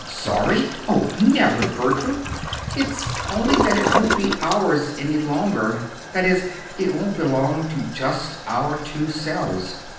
"Sorry! Oh, never, Bertram! It's only that it won't be ours any longer that is, it won't belong to just our two selves.